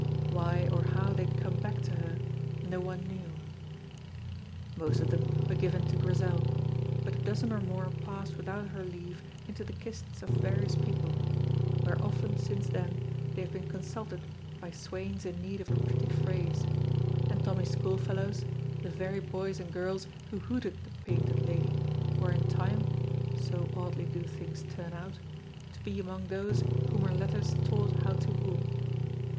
Why or how they had come back to her no one knew. Most of them were given to Grizel, but a dozen or more passed without her leave into the kists of various people, where often since then they have been consulted by swains in need of a pretty phrase; and Tommy's school fellows, the very boys and girls who hooted the Painted Lady, were in time so oddly do things turn out to be among those whom her letters taught how to woo.